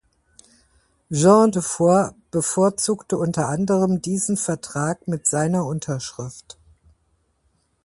Jean de Foix bezeugte unter anderem diesen Vertrag mit seiner Unterschrift.